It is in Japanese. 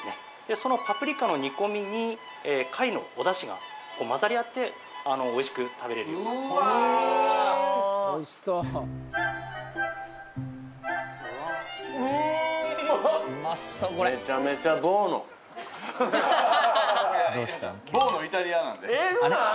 そのパプリカの煮込みに貝のお出汁が混ざり合っておいしく食べれるようにえーっそうなん？